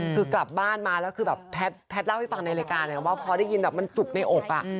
คือกลับบ้านมาแล้วแพทย์เล่าให้ฟังในรายการเนี่ยว่าพอได้ยินมันจุกในอกอ่ะ